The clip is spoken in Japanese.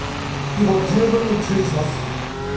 以後十分に注意します。